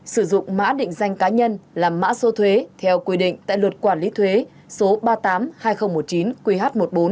sử dụng mã định danh cá nhân làm mã số thuế theo quy định tại luật quản lý thuế số ba mươi tám hai nghìn một mươi chín qh một mươi bốn